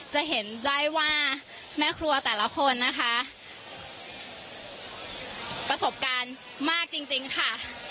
จะเห็นได้ว่าแม่ครัวแต่ละคนนะคะประสบการณ์มากจริงค่ะ